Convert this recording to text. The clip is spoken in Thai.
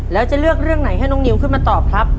แล้วจะเลือกเรื่องไหนให้น้องนิวขึ้นมาตอบครับ